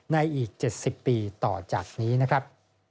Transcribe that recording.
อีก๗๐ปีต่อจากนี้นะครับ